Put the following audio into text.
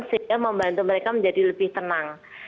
sehingga membantu mereka menjadi lebih tenang